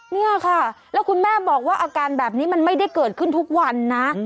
เนี่ยค่ะแล้วคุณแม่บอกว่าอาการแบบนี้มันไม่ได้เกิดขึ้นทุกวันนะ